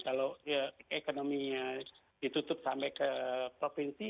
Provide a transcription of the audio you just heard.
kalau ekonominya ditutup sampai ke provinsi